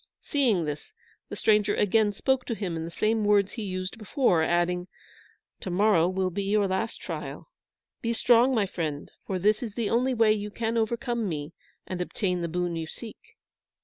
Seeing this, the stranger again spoke to him in the same words he used before, adding, "To morrow will be your last trial. Be strong, my friend, for this is the only way you can overcome me, and obtain the boon you seek."